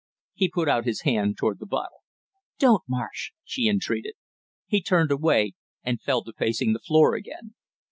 He put out his hand toward the bottle. "Don't, Marsh!" she entreated. He turned away and fell to pacing the floor again.